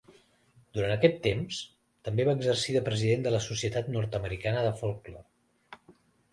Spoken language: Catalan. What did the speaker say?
Durant aquest temps, també va exercir de president de la Societat Nord-americana de Folklore.